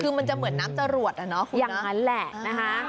คือมันจะเหมือนน้ำจรวดอะเนาะอย่างนั้นแหละนะคะ